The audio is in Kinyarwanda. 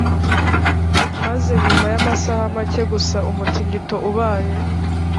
maze nyuma y amasaha make gusa umutingito ubaye